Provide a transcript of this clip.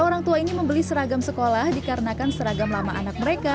orang tua ini membeli seragam sekolah dikarenakan seragam lama anak mereka